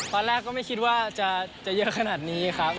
ตอนแรกก็ไม่คิดว่าจะเยอะขนาดนี้ครับ